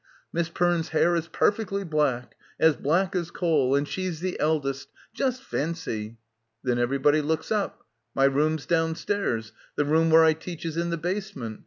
'Miss Perne's hair is perfectly black — as black as coal, and she's the eldest, just fancy. 9 Then everybody looks up. 'My room's downstairs, the room where I teach, is in the basement.